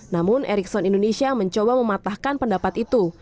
namun erickson indonesia mencoba mematahkan pendapat itu